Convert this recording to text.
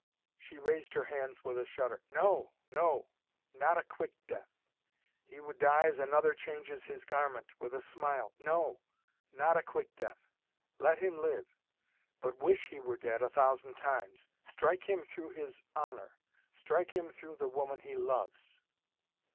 She raised her hands with a shudder. "No no! Not a quick death! He would die as another changes his garment with a smile. No! Not a quick death! Let him live, but wish he were dead a thousand times. Strike him through his honor. Strike him through the woman he loves."